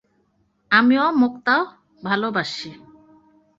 আমিও মুক্তো ভালোবাসি।